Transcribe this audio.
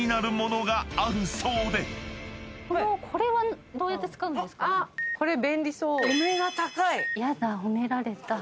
これはどうやって使うんですか？